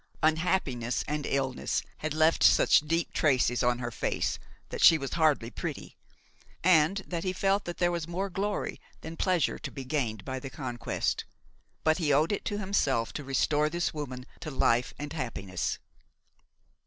Unhappiness and illness had left such deep traces on her face that she was hardly pretty, and that he felt that there was more glory than pleasure to be gained by the conquest. But he owed it to himself to restore this woman to life and happiness.